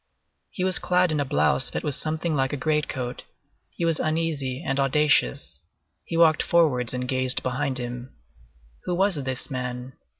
He was clad in a blouse that was something like a great coat; he was uneasy and audacious; he walked forwards and gazed behind him. Who was this man?